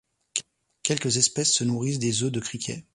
Quelques espèces se nourrissent des œufs de criquets.